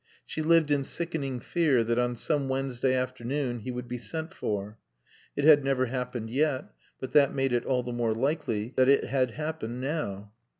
She lived in sickening fear that on some Wednesday afternoon he would be sent for. It had never happened yet, but that made it all the more likely that it had happened now.